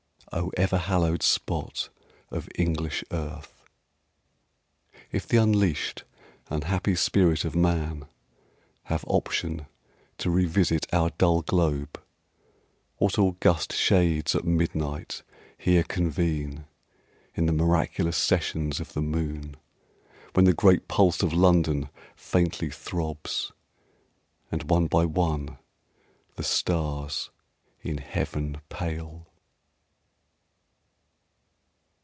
O ever hallowed spot of English earth! If the unleashed and happy spirit of man Have option to revisit our dull globe, What august Shades at midnight here convene In the miraculous sessions of the moon, When the great pulse of London faintly throbs, And one by one the stars in heaven pale!